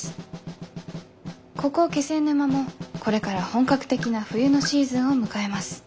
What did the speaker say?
ここ気仙沼もこれから本格的な冬のシーズンを迎えます。